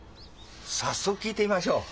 早速聞いてみましょう。